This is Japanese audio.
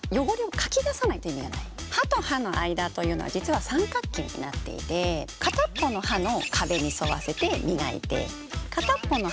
歯と歯の間というのは実は三角形になっていて片っ方の歯の壁に沿わせて磨いて片っ方の歯に沿わせて磨く。